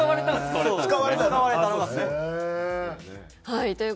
はい。